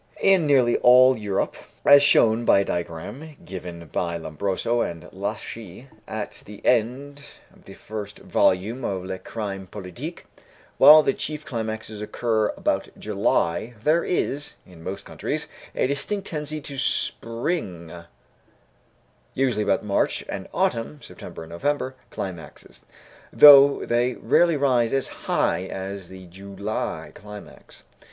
In nearly all Europe (as is shown by a diagram given by Lombroso and Laschi, at the end of the first volume of Le Crime Politique), while the chief climaxes occur about July, there is, in most countries, a distinct tendency to spring (usually about March) and autumn (September and November) climaxes, though they rarely rise as high as the July climax.